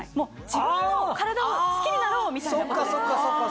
自分の体を好きになろうみたいなことです。